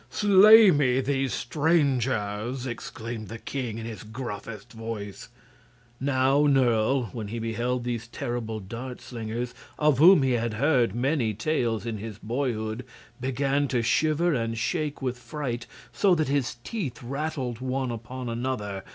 "Slay me these strangers!" exclaimed the king, in his gruffest voice. Now Nerle, when he beheld these terrible Dart Slingers, of whom he had heard many tales in his boyhood, began to shiver and shake with fright, so that his teeth rattled one upon another.